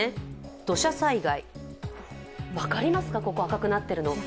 土砂災害、分かりますか、ここ、赤くなってるの。